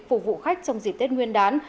phục vụ khách trong dịp tết nguyên đán